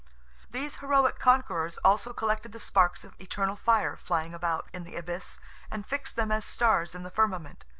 These heroic conquerors also collected the sparks of eternal fire flying about in the abyss, and fixed them as stars in the firmament.